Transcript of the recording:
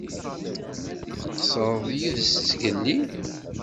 Tqeṣṣreḍ yid-s zgelli?